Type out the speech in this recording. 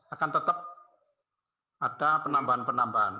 akan tetap ada penambahan penambahan